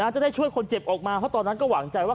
จะได้ช่วยคนเจ็บออกมาเพราะตอนนั้นก็หวังใจว่า